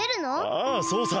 ああそうさ。